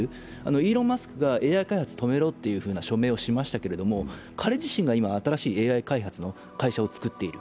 イーロン・マスクがＡＩ開発を止めろと署名しましたが、彼自身も新しいＡＩ開発の会社を作っている。